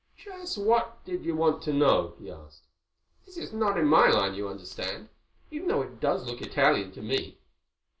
"Just what did you want to know?" he asked. "This is not in my line, you understand—even though it does look Italian to me.